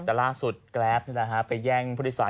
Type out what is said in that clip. ต่าร่ากสุดไปแย่งผู้ทฤษภรรณกับ